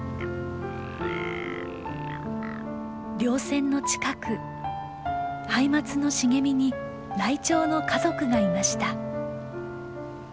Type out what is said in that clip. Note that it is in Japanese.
稜線の近くハイマツの茂みにライチョウの家族がいました。